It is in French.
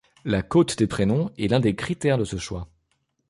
La cote des prénoms est l'un des critères de ce choix.